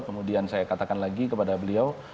kemudian saya katakan lagi kepada beliau